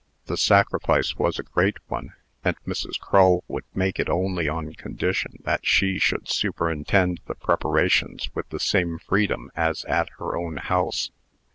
The sacrifice was a great one; and Mrs. Crull would make it only on condition that she should superintend the preparations with the same freedom as at her own house.